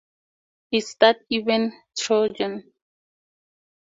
It stars Ivan Trojan.